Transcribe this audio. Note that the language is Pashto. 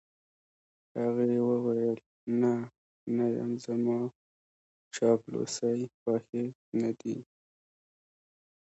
هغې وویل: نه، نه یم، زما چاپلوسۍ خوښې نه دي.